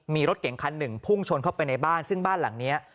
มีรถเก่งคันหนึ่งพุ่งชนเข้าไปในบ้านซึ่งบ้านหลังนี้